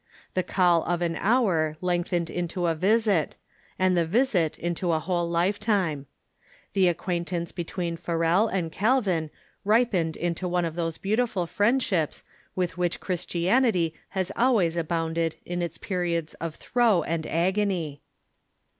The call of an hour length ened into a visit, and the visit into a whole lifetime. The acquaintance between Farel and Calvin ripened into one of those beautiful friendships with which Christianity has always abounded in its periods of throe and agony.